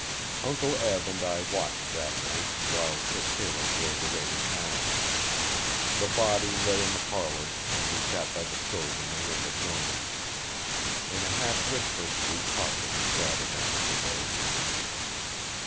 Uncle Eb and I watched that night, while Tip Taylor drove away to town. The body lay in the parlour and we sat by the stove in the room adjoining. In a half whisper we talked of the sad event of the day.